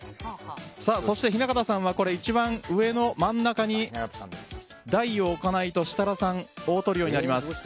そして、雛形さんは一番上の真ん中に大を置かないと設楽さん、オートリオになります。